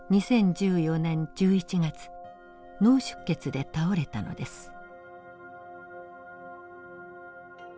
２０１４年１１月脳出血で倒れたのです。